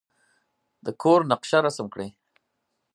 د کور نقشه رسم کړئ.